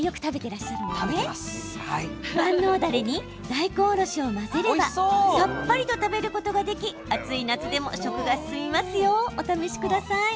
万能ダレに大根おろしを混ぜればさっぱりと食べることができ暑い夏でも食が進みますよ。